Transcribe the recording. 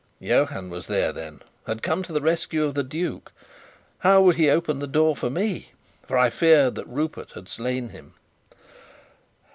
Johann was there, then come to the rescue of the duke! How would he open the door for me? For I feared that Rupert had slain him.